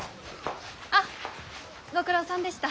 あっご苦労さんでした。